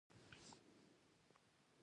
مالټه د ذهني فشار کمولو کې مرسته کوي.